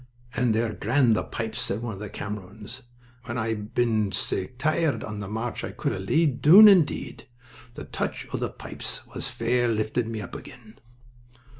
"And they're grand, the pipes," said one of the Camerons. "When I've been sae tired on the march I could have laid doon an' dee'd the touch o' the pipes has fair lifted me up agen."